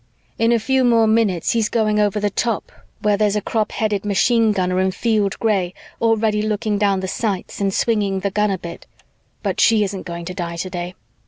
"In a few more minutes, he's going over the top where there's a crop headed machine gunner in field gray already looking down the sights and swinging the gun a bit. But she isn't going to die today.